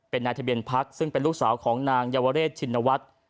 เป็นนายทะเบียนพักซึ่งเป็นลูกสาวของนางเยาวเรชชินวัฒน์